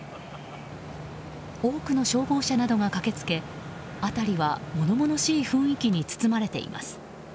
多くの消防車などが駆けつけ辺りは物々しい雰囲気に包まれています。